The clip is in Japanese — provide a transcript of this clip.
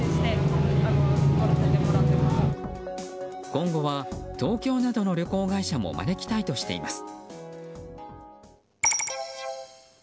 今後は東京などの旅行会社も招きたいとしています。